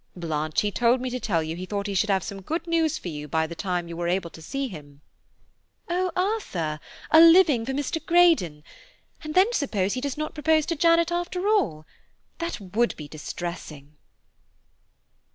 Blanche, he told me to tell you he thought he should have some good news for you by the time you were able to see him." "Oh, Arthur, a living for Mr. Greydon! And then suppose he does not propose to Janet after all? That would be distressing."